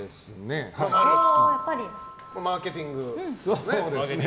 マーケティングですね？